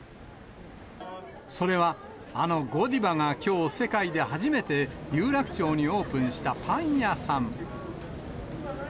それは、あのゴディバがきょう、世界で初めて有楽町にオープンしたパン屋さん。